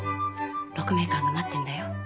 鹿鳴館が待ってんだよ。